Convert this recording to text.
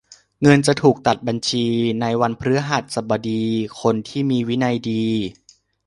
เงินจะถูกตัดบัญชีในวันพฤหัสบดี คนที่มีวินัยดี